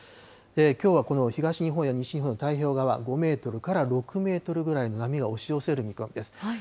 きょうはこの東日本や西日本の太平洋側、５メートルから６メートルぐらいの波が押し寄せる見込みです。